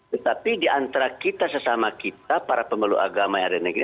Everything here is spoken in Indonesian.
tetapi diantara kita sesama kita para pemeluk agama yang ada di negeri